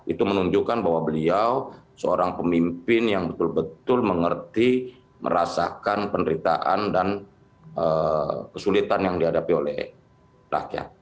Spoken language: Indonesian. itu menunjukkan bahwa beliau seorang pemimpin yang betul betul mengerti merasakan penderitaan dan kesulitan yang dihadapi oleh rakyat